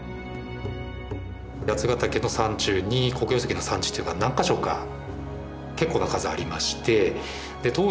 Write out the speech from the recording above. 八ヶ岳の山中に黒曜石の産地というのが何か所か結構な数ありまして。